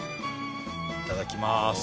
いただきます。